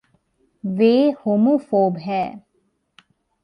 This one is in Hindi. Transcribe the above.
वे होमोफ़ोब हैं।